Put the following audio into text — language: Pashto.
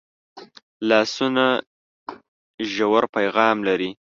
لاسونه ژور پیغام لري